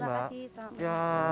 terima kasih sok